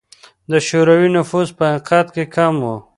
د شوروي نفوس په حقیقت کې کم و.